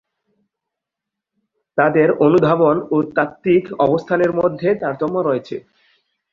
তাদের অনুধাবন ও তাত্ত্বিক অবস্থানের মধ্যে তারতম্য রয়েছে।